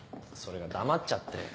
それが黙っちゃって。